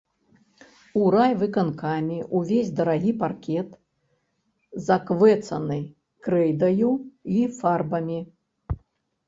У райвыканкаме ўвесь дарагі паркет заквэцаны крэйдаю й фарбамі.